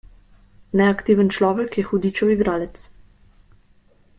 Neaktiven človek je hudičev igralec.